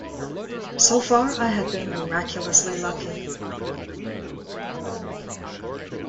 So far I had been miraculously lucky.